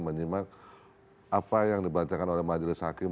menyimak apa yang dibacakan oleh majelis hakim